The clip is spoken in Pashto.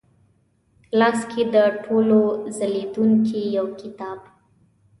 لاس کې د ټولو ځلېدونکې یوکتاب،